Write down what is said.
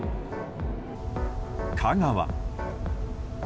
香川。